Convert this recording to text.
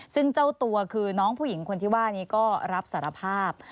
ซึ่งเจ้าตัวคือน้องผู้หญิงคนที่ว่านี้ก็รับสารภาพ